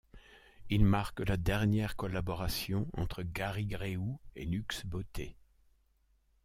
Il marque la dernière collaboration entre Gari Grèu et Lux Botté.